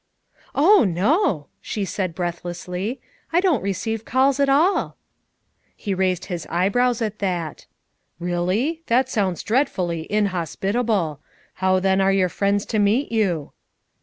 "Oh, no!" she said breathlessly. "I don't receive calls at alL" He raised his eyebrows at that. "Really! That sounds dreadfully inhospitable. How then are your friends to meet you?"